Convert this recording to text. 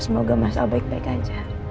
semoga masa baik baik aja